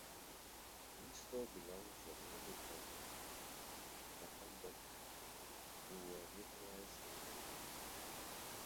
Linstow belonged to a noble family from Mecklenburg who were naturalized in Denmark.